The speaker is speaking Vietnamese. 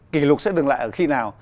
kỷ lục sẽ dừng lại ở khi nào